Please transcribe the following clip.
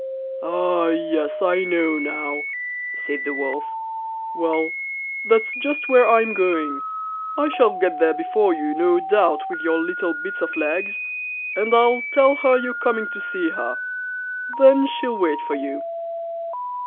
'Ah! yes! I know now,' said the Wolf. 'Well, that's just where I'm going; I shall get there before you, no doubt, with your little bits of legs, and I'll tell her you're coming to see her; then she'll wait for you.